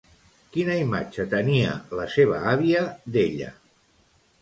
Quina imatge tenia la seva àvia d'ella?